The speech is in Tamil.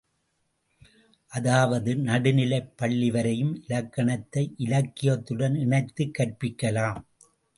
அதாவது, நடு நிலைப் பள்ளிவரையும் இலக்கணத்தை இலக்கியத்துடன் இணைத்துக் கற்பிக்கலாம்.